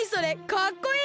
かっこいい！